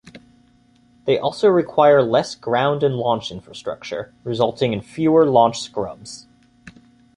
They also require less ground and launch infrastructure, resulting in fewer launch scrubs.